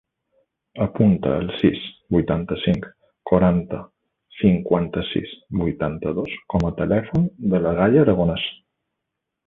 Apunta el sis, vuitanta-cinc, quaranta, cinquanta-sis, vuitanta-dos com a telèfon de la Gaia Aragones.